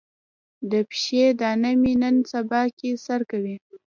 د پښې دانه مې نن سبا کې سر کوي.